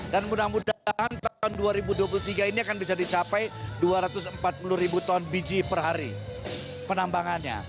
dan mudah mudahan tahun dua ribu dua puluh tiga ini akan bisa dicapai dua ratus empat puluh ribu ton biji per hari penambangannya